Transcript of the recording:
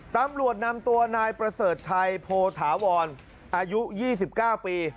ตำรวจนำตัวนายประเสริฐชัยโพธาวรอายุ๒๙ปี